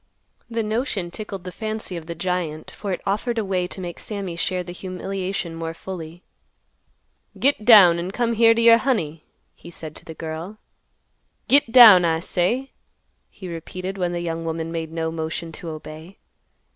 The notion tickled the fancy of the giant, for it offered a way to make Sammy share the humiliation more fully. "Git down an' come here t' yer honey," he said to the girl. "Git down, I say," he repeated, when the young woman made no motion to obey.